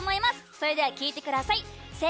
それでは聴いてください。